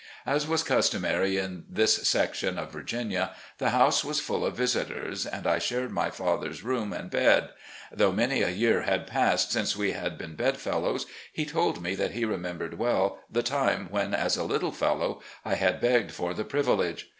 As was customary in this section of Virginia, the house was full of visitors, and I shared my father's room and THE SOUTHERN TRIP 409 bed. Though many a year had passed since we had been bedfellows, he told me that he remembered well the time when, as a little fellow, I had begged for this privilege.